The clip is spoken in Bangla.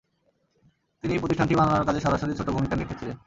তিনি প্রতিষ্ঠানটি বানানোর কাজে সরাসরি ছোটো ভূমিকা রেখেছিলেন।